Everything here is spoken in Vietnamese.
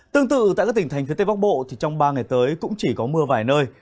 tương tự tại các tỉnh thành phía tây bắc bộ thì trong ba ngày tới cũng chỉ có mưa vài nơi